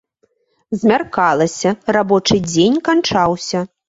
Змяркалася, рабочы дзень канчаўся.